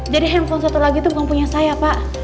jadi handphone satu lagi tuh bukan punya saya pak